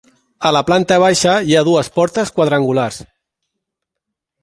A la planta baixa hi ha dues portes quadrangulars.